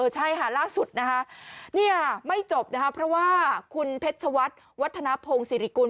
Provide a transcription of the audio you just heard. ใช่ล่าสุดนี่ไม่จบเพราะว่าคุณเพชวัฒนาพงศ์สิริกุล